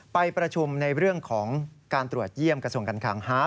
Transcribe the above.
ไปประชุมในเรื่องของการตรวจเยี่ยมกระทรวงการคังฮา